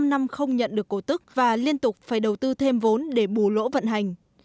các cổ đồng không nhận được cổ tức và liên tục phải đầu tư thêm vốn để bù lỗ vận hành